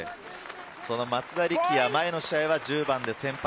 松田力也、前の試合は１０番で先発。